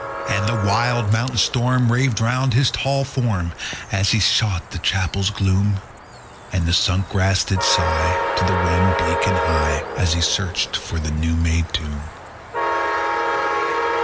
11. And the wild midnight storm Raved around his tall form, _60 As he sought the chapel's gloom: And the sunk grass did sigh To the wind, bleak and high, As he searched for the new made tomb.